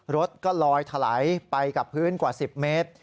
รถก็ลอยถลายไปกับพื้นกว่า๑๐เมตร